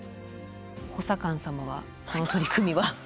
補佐官様はこの取り組みは。